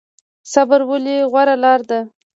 صبر ولې غوره لاره ده؟